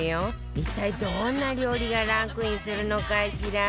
一体どんな料理がランクインするのかしら？